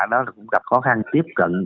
đã gặp khó khăn tiếp cận